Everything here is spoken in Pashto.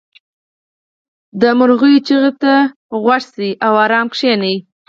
• د مرغیو چغې ته غوږ شه او آرام کښېنه.